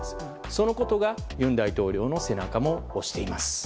そのことが尹大統領の背中も押しています。